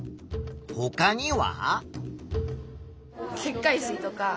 ほかには？